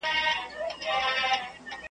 چي ناڅاپه د شاهین د منګول ښکار سو .